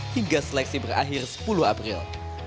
hingga seleksi berakhir sepuluh april